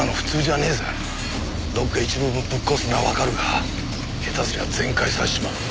どこか一部分をぶっ壊すのはわかるが下手すりゃ全壊させちまう。